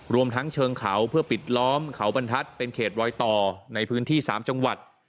รวมทั้งเชิงเขาเพื่อปิดล้อมเขาบรรทัศน์เป็นเขตรอยต่อในพื้นที่๓จังหวัด